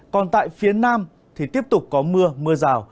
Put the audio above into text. còn tại phía nam thì tiếp tục có mưa mưa rào